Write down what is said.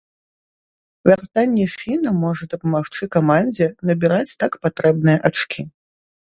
Вяртанне фіна можа дапамагчы камандзе набіраць так патрэбныя ачкі.